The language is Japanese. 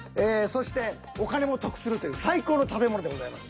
そしてお金も得するという最高の食べ物でございます。